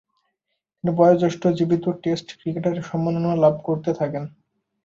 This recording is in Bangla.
তিনি বয়োজ্যেষ্ঠ জীবিত টেস্ট ক্রিকেটারের সম্মাননা লাভ করতে থাকেন।